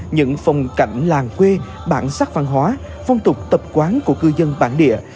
những phong cảnh làng quê bản sắc văn hóa phong tục tập quán của cư dân bản địa